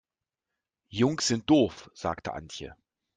Jungs sind doof, sagt Antje.